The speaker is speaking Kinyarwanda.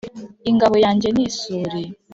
Ingabo yanjye ni isuri